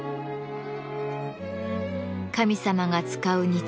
神様が使う日